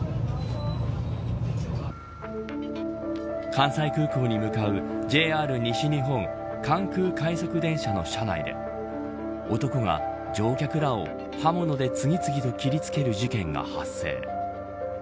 関西空港に向かう、ＪＲ西日本関空快速電車の車内で男が乗客らを刃物で次々と切りつける事件が発生。